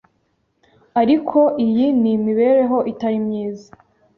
Ariko iyi ni imibereho itari myiza.